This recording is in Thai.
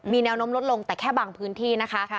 มีแนวโน้มลดลงแต่แค่บางพื้นที่นะคะ